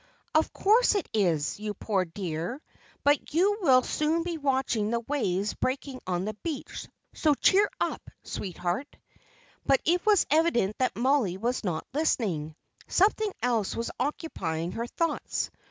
"Of course it is, you poor dear; but you will soon be watching the waves breaking on the beach, so cheer up, sweetheart." But it was evident that Mollie was not listening. Something else was occupying her thoughts.